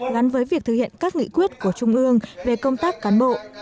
gắn với việc thực hiện các nghị quyết của trung ương về công tác cán bộ